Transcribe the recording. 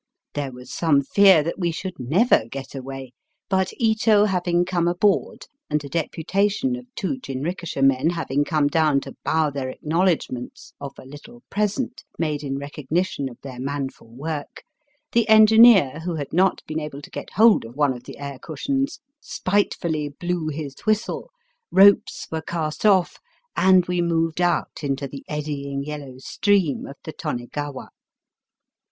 There was some fear that we should never get away ; but Ito having come aboard, and a deputation of two jinrikisha men having come down to bow their acknowledgments of a little present made in recognition of their manful work, the engineer, who had not been able to get hold of one of the air cushions, spitefully blew his whistle, ropes were cast off, and we moved out into the eddying yellow stream of the Tonegawa.